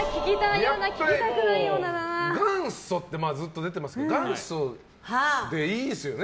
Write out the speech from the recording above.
やっぱり元祖ってずっと出てますけど元祖でいいっすよね。